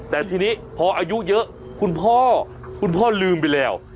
แต่ทีนี้พออายุเยอะคุณพ่อคุณพ่อลืมไปแล้ว